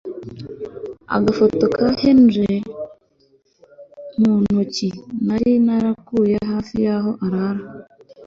agafoto ka Henry muntoki nari narakuye hafi yaho arara